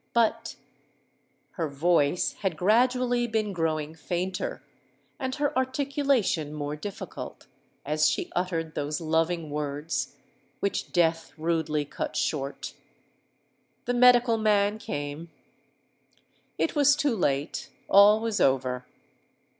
But——' "Her voice had gradually been growing fainter, and her articulation more difficult, as she uttered those loving words which Death rudely cut short. The medical man came: it was too late—all was over!